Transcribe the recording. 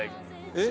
えっ？